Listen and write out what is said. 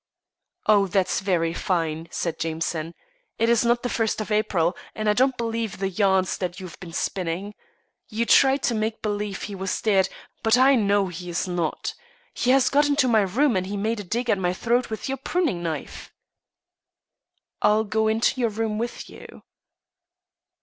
"Oh, that's very fine," said Jameson. "It is not the first of April, and I don't believe the yarns that you've been spinning. You tried to make believe he was dead, but I know he is not. He has got into my room, and he made a dig at my throat with your pruning knife." "I'll go into your room with you."